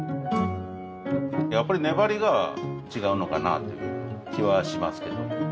やっぱり粘りが違うのかなという気はしますけど。